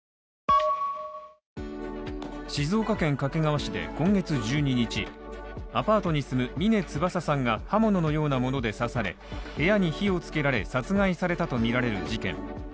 静岡県掛川市で今月１２日、アパートに住む峰翼さんが刃物のようなもので刺され、部屋に火をつけられ殺害されたとみられる事件